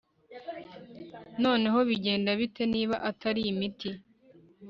noneho bigenda bite niba atari imiti